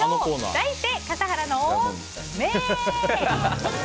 題して、笠原の眼！